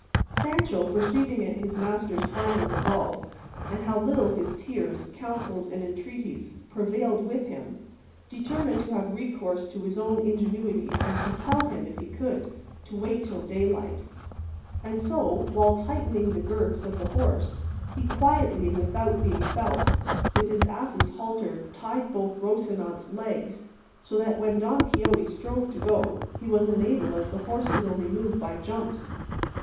Sancho perceiving it his master's final resolve, and how little his tears, counsels, and entreaties prevailed with him, determined to have recourse to his own ingenuity and compel him, if he could, to wait till daylight; and so, while tightening the girths of the horse, he quietly and without being felt, with his ass' halter tied both Rocinante's legs, so that when Don Quixote strove to go he was unable as the horse could only move by jumps.